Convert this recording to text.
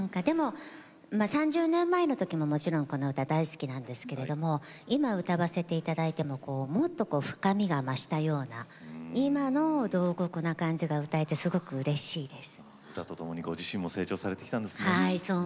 ３０年前の時も、もちろんこの歌は大好きなんですけれども今、歌わせていただいてももっと深みが増したような今の「慟哭」の感じが歌えてうれしいです。